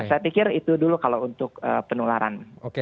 saya pikir itu dulu kalau untuk penularan